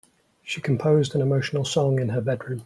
She composed an emotional song in her bedroom.